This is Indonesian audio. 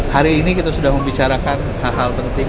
hari ini kita sudah membicarakan hal hal penting